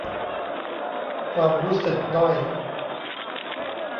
ความรู้สึกด้อย